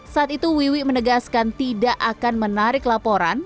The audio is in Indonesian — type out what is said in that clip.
saat itu wiwi menegaskan tidak akan menarik laporan